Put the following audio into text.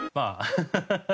ハハハハ！